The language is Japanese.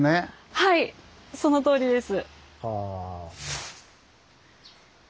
はいそのとおりです。